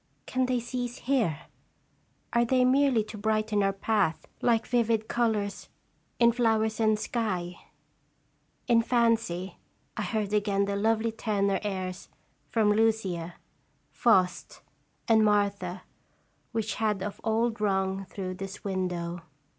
Can they cease here ? Are they merely to brighten our path, like vivid colors in flowers and sky ? In fancy I heard again the lovely tenor airs from "Lucia," "Faust," and "Martha" which had of old rung through this window.